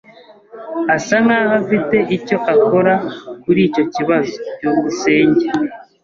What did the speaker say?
Asa nkaho afite icyo akora kuri icyo kibazo. byukusenge